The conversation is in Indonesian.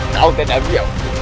kau tidak biar